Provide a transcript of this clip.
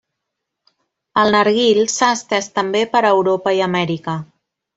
El narguil s'ha estès també per Europa i Amèrica.